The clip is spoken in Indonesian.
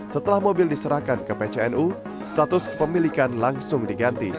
setelah mobil diserahkan ke pcnu status kepemilikan langsung diganti